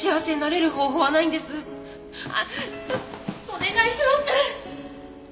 お願いします！